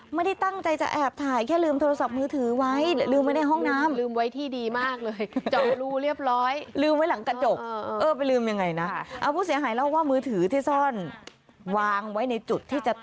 ไม่ได้ตั้งใจจะแอบถ่ายแค่ลืมโทรศัพท์มือถือไว้